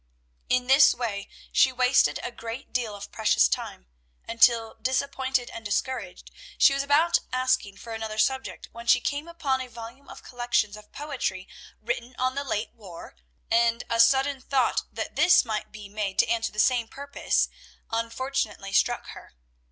In this way she wasted a great deal of precious time, until, disappointed and discouraged, she was about asking for another subject, when she came upon a volume of collections of poetry written on the late war, and a sudden thought that this might be made to answer the same purpose unfortunately struck her.